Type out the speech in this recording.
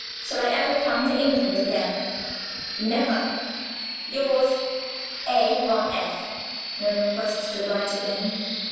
Shall I ever come to England again? never." "Yours, "A. von F." No request to write again!